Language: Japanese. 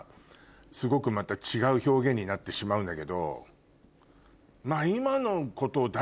すごくまた違う表現になってしまうんだけど。